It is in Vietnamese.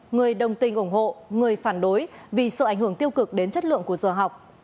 người đồng tình ủng hộ người phản đối vì sợ ảnh hưởng tiêu cực đến chất lượng của giờ học